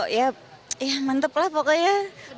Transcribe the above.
ya mantep lah pokoknya